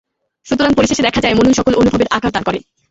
সুতরাং পরিশেষে দেখা যায়, মনই সকল অনুভবের আকার দান করে।